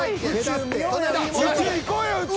宇宙行こうよ宇宙。